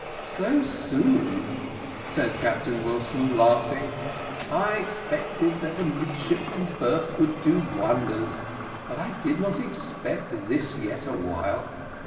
"So soon!" said Captain Wilson, laughing; "I expected that a midshipman's berth would do wonders; but I did not expect this, yet awhile.